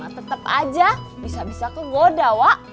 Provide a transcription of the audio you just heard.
tetep aja bisa bisa kegoda wak